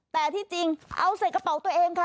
แต่ที่จริงเอาใส่กระเป๋าตัวเองค่ะ